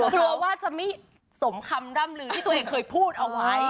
กลัวว่าจะไม่สมคำร่ำลือที่ตัวเองเคยพูดเอาไว้